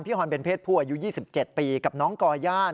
ฮอนเป็นเพศผู้อายุ๒๗ปีกับน้องก่อย่าน